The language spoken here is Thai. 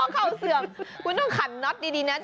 เข้าเสื่อมคุณต้องขันน็อตดีนะ